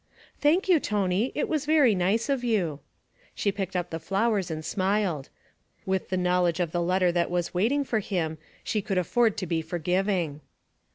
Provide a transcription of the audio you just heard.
'Thank you, Tony; it is very nice of you.' She picked up the flowers and smiled with the knowledge of the letter that was waiting for him she could afford to be forgiving.